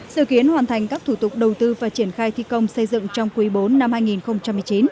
sự kiến hoàn thành các thủ tục đầu tư và triển khai thi công xây dựng trong quý bốn năm hai nghìn một mươi chín